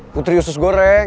putri usus goreng